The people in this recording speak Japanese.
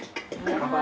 乾杯。